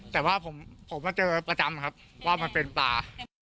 แต่ว่าผมมาเจอประจำครับว่ามันเป็นป่า